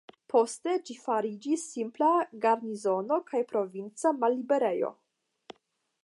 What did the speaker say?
Poste ĝi fariĝis simpla garnizono kaj provinca malliberejo.